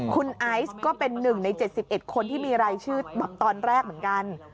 คุณไอซ์ก็เป็น๑ใน๗๑คนที่มีรายชื่อแบบตอนแรกเหมือนกัน